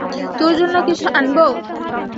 তোর জন্য কিছু আনবো?